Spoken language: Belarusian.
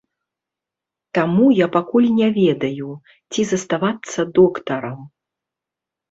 Таму я пакуль не ведаю, ці заставацца доктарам.